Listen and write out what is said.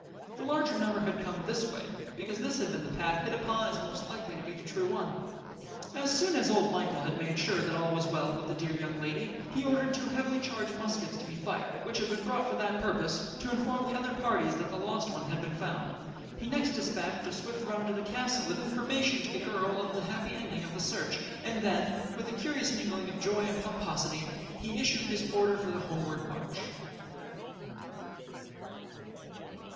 The larger number had come this way, because this had been the path hit upon as most likely to be the true one. As soon as old Michael had made sure that all was well with the dear young lady, he ordered two heavily charged muskets to be fired, which had been brought for that purpose, to inform the other parties that the lost one had been found. He next dispatched a swift runner to the castle, with information to the earl of the happy ending of the search; and then, with a curious mingling of joy and pomposity, he issued his order for the homeward march.